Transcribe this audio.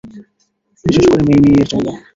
বিশেষ করে মেই-মেইয়ের জন্য।